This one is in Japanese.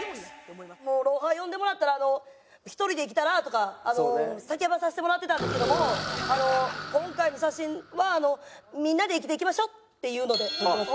もう『ロンハー』呼んでもらったら「１人で生きたらぁ！」とか叫ばせてもらってたんですけども今回の写真は「みんなで生きていきましょ」っていうので撮ってます。